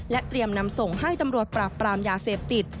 เตรียมนำส่งให้ตำรวจปราบปรามยาเสพติด